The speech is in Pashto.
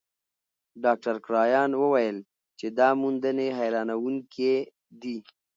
ډاکټر کرایان وویل چې دا موندنې حیرانوونکې دي.